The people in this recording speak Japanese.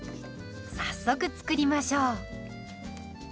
早速作りましょう。